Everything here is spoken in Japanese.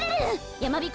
やまびこ